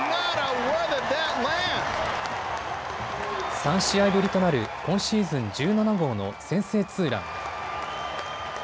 ３試合ぶりとなる今シーズン１７号の先制ツーラン。